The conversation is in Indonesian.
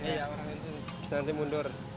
iya nanti mundur